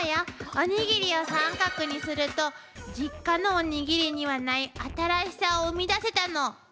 おにぎりを三角にすると実家のおにぎりにはない新しさを生み出せたの。